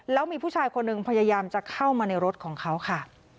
แล้วมีผู้ชายคนหนึ่งพยายามจะเข้ามาในรถของเขาค่ะ